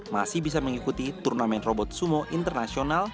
masih bisa mengikuti turnamen robot sumo internasional